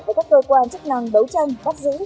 với các cơ quan chức năng đấu tranh bắt giữ